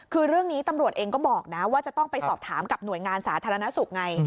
คือเรื่องนี้ตำรวจเองก็บอกนะว่าจะต้องไปสอบถามกับหน่วยงานสาธารณสุขไง